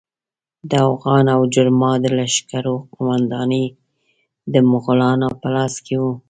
د اوغان او جرما د لښکرو قومانداني د مغولانو په لاس کې وه.